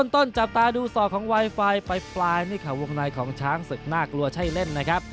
จับตาดูสอกของไวไฟปลายนี่ค่ะวงในของช้างศึกน่ากลัวใช่เล่นนะครับ